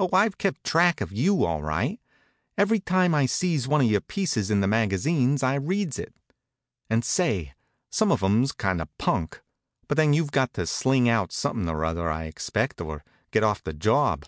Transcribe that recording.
Oh, I've kept track of you, all right. Every time I sees one of your pieces in the magazines I reads it. And say, some of 'em's kind of punk. But then, you've got to sling out somethin' or other, I expect, or get off the job.